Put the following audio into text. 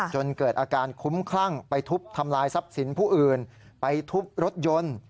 จนเกิดอาการคุ้มคลั่งไปทุบทำลายทรัพย์สินผู้อื่นไปทุบรถยนต์